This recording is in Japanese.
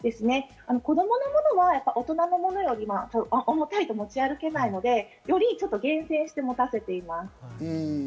子供のものは大人のものより重たいと持ち歩けないので、より厳選して持たせています。